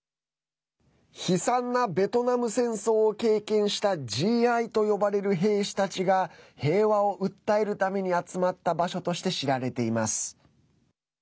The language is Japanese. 悲惨なベトナム戦争を経験したＧＩと呼ばれる兵士たちが平和を訴えるために集まった場所として知られています。